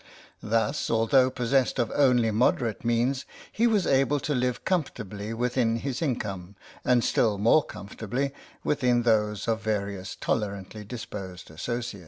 Thus, although possessed of only moderate means, he was able to live comfortably within his income, and still more comfortably within those of various tolerantly disposed associates.